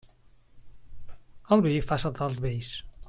El vi fa saltar els vells.